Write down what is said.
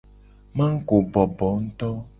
Mago bobo nguto.